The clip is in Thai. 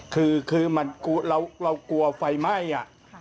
คือมันกลัวเรากลัวไฟไหม้อ่ะ